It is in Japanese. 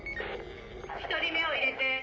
「一人目を入れて」